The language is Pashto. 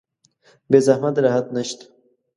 بې زحمت راحت نشته